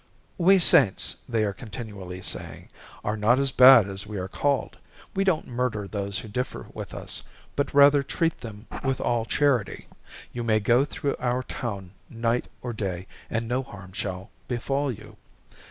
"We Saints," they are continually saying, "are not as bad as we are called. We don't murder those who differ with us, but rather treat them with all charity. You may go through our town night or day and no harm shall befall you.